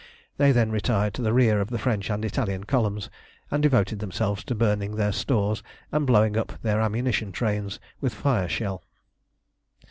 Then they retired to the rear of the French and Italian columns, and devoted themselves to burning their stores and blowing up their ammunition trains with fire shell.